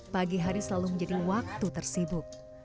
pagi hari selalu menjadi waktu tersibuk